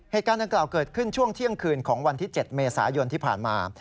เหตุการณ์ดังกล่าวเกิดขึ้นช่วงเที่ยงคืนของวันที่๗เมษายนที่ผ่านมา